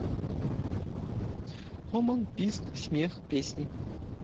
Гоман, піск, смех, песні.